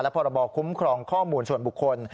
พรบคุ้มครองข้อมูลส่วนบุคคล